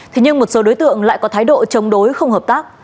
thế nhưng một số đối tượng lại có thái độ chống đối không hợp tác